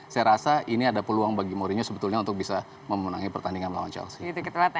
saya rasa ini ada peluang bagi mourinho sebetulnya untuk bisa memenangi pertandingan melawan chelsea